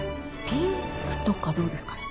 ピンクとかどうですかね？